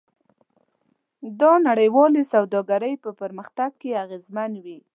دا نړیوالې سوداګرۍ په پرمختګ کې اغیزمن وي.